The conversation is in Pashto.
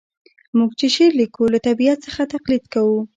موږ چي شعر لیکو له طبیعت څخه تقلید کوو.